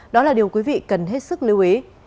đó là điều quý vị cần hết sức lưu ý